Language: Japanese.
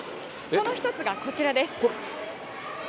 その１つがこちらです。